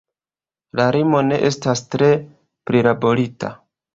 La rimo ne estas tre prilaborita.